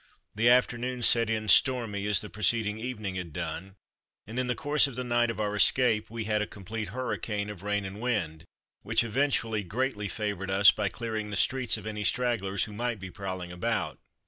The afternoon set in stormy, as the preceding evening had done, and in the course of the night of our escape we had a complete hurricane of rain and wind, which eventually greatly favoured us by clearing the streets of any stragglers who might be prowling about.